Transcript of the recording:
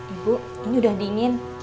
ibu ini udah dingin